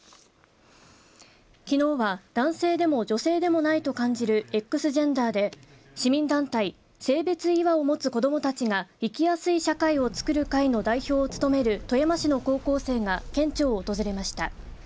きのうは男性でも女性でもないと感じるＸジェンダーで市民団体、性別違和を持つ子どもたちが生きやすい社会をつくる会の代表を務める富山市の高校生が県庁を訪れました。